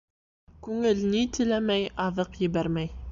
Күңел ни теләмәй, аҙыҡ ебәрмәй.